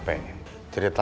pasti kakak capek